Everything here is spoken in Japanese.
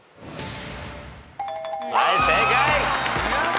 はい正解。